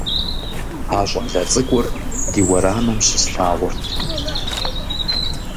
А щӀалэ цӀыкӀур ди уэрамым щыслъагъурт.